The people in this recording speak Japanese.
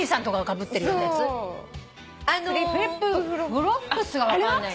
フロップスが分かんない。